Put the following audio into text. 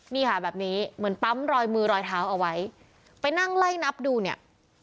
นี่ค่ะแบบนี้เหมือนปั๊มรอยมือรอยเท้าเอาไว้ไปนั่งไล่นับดูเนี่ย